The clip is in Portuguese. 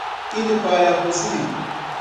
Indo para a cozinha